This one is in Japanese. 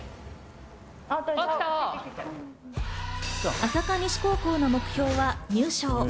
朝霞西高校の目標は入賞。